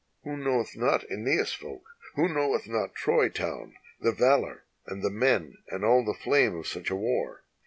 Who knoweth not ZEneas' folk? who knoweth not Troy town, The valor, and the men, and ail the tlame of such a war?